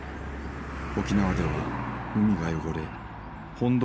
沖縄では海が汚れ本土